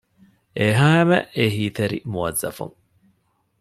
އެހައިމެ އެހީތެރި މުވައްޒަފުން